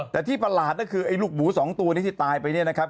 แต่ที่ประหลาดก็คือไอ้ลูกหมูสองตัวนี้ที่ตายไปเนี่ยนะครับ